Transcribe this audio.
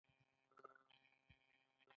انتقام مه اخلئ